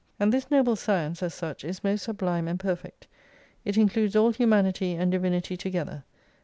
And this noble science, as such, is most sublime and perfect : it includes all Humanity and Divinity together.